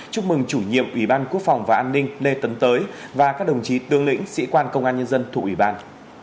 chúc mừng chủ nhiệm ủy ban quốc phòng và an ninh lê tấn tới và các đồng chí tương lĩnh sĩ quan công an nhân dân thụ ủy ban